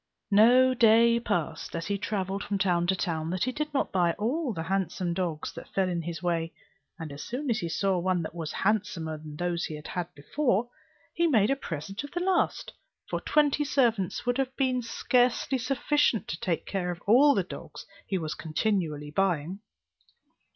No day passed, as he travelled from town to town, that he did not buy all the handsome dogs that fell in his way; and as soon as he saw one that was handsomer than those he had before, he made a present of the last; for twenty servants would have been scarcely sufficient to take care of all the dogs he was continually buying.